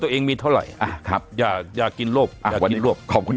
ตัวเองมีเท่าไหร่อ่ะครับอย่าอย่ากินรวบอยากกินรวบขอบคุณ